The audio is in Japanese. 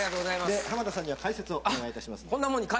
浜田さんには解説をお願いいたします。